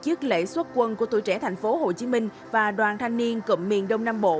chiếc lễ xuất quân của tuổi trẻ thành phố hồ chí minh và đoàn thanh niên cộng miền đông nam bộ